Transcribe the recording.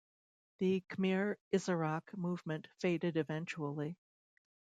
The Khmer Issarak movement faded eventually.